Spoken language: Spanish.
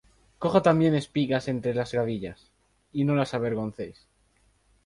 Coja también espigas entre las gavillas, y no la avergoncéis;